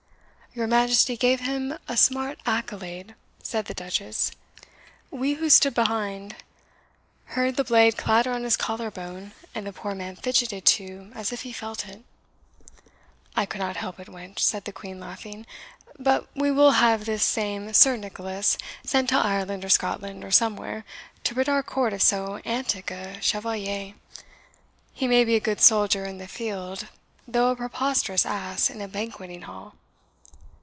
"Your Majesty gave him a smart ACCOLADE," said the Duchess; "we who stood behind heard the blade clatter on his collar bone, and the poor man fidgeted too as if he felt it." "I could not help it, wench," said the Queen, laughing. "But we will have this same Sir Nicholas sent to Ireland or Scotland, or somewhere, to rid our court of so antic a chevalier; he may be a good soldier in the field, though a preposterous ass in a banqueting hall."